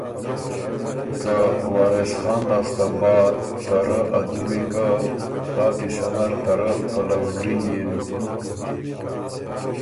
که وارث خان لاسته بعد ته رۀ ا دُوّي ګه پا قیصۀ نر ته رۀ پلؤګري یِن۔